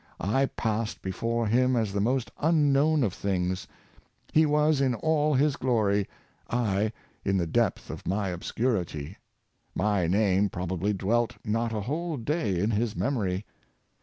I passed be fore him as the most unknown of beings. He was in all his glory — I in the depth of my obscurity. My name probably dwelt not a whole day in his memory.